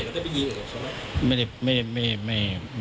มันเกิดที่เหตุแล้วได้ไปยิงกับเขาไหม